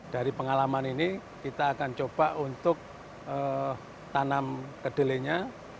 dari pengalaman ini kita akan coba untuk tanam kedelainya